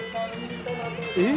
「えっ！」